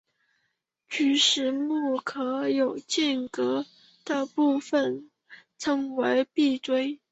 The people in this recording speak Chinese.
菊石目壳有间隔的部份称为闭锥。